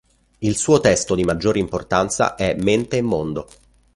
Il suo testo di maggior importanza è "Mente e Mondo".